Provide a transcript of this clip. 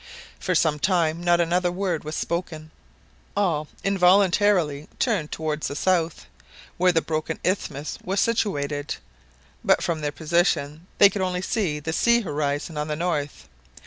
For some time not another word was spoken. All involuntarily turned towards the south, where the broken isthmus was situated; but from their position they could only see the sea horizon on the north.